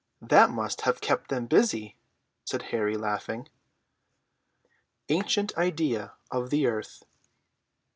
"That must have kept them busy," said Harry, laughing. [Illustration: ANCIENT IDEA OF THE EARTH.